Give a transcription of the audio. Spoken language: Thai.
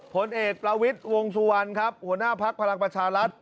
ผลเอกทรวรรษวงศลวรรณครับันหน้าพักพลักษณ์ประชารัฐ